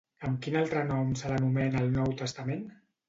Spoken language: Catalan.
Amb quin altre nom se l'anomena al Nou Testament?